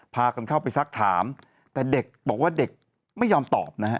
พากันเข้าไปสักถามแต่เด็กบอกว่าเด็กไม่ยอมตอบนะฮะ